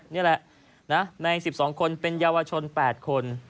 เนี้ยแหละน่ะในสิบสองคนเป็นเยาวชนแปดคน